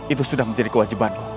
itu sudah menjadi kewajibanku